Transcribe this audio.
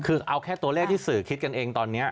คือเอาแค่ตัวเลขที่สื่อคิดกันเองตอนนี้